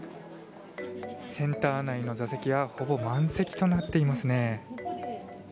センター内の座席はほぼ満席となっていますね。